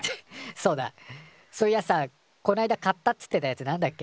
そうだそういやさこないだ買ったっつってたやつなんだっけ？